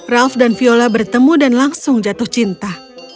raff dan viola bertemu dan langsung jatuh cinta